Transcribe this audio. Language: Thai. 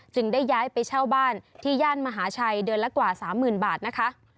ได้ย้ายไปเช่าบ้านที่ย่านมหาชัยเดือนละกว่า๓๐๐๐บาทนะคะ